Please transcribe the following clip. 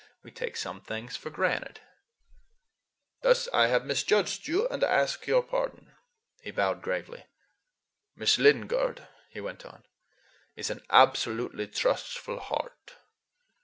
We take some things for granted." "Then I have misjudged you, and I ask your pardon,"—he bowed gravely. "Miss Lingard," he went on, "is an absolutely trustful heart.